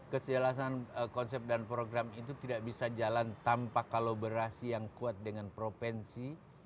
kesejelasan konsep dan program itu tidak bisa jalan tanpa kolaborasi yang kuat dengan provinsi